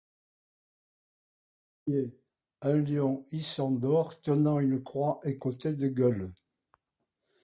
Cimier: un lion issant d'or tenant une croix écotée de gueules.